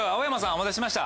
お待たせしました。